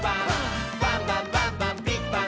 「バンバンバンバンビッグバン！」